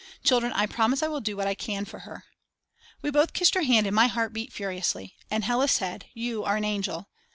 Children I promise I will do what I can for her." We both kissed her hand and my heart beat furiously. And Hella said: "You are an angel."